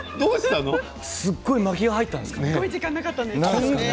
すごい巻きが入ったんですかね？